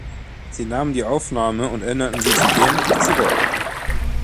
Sie nahmen die Aufnahmen und änderten sie zu dem, was sie wollten.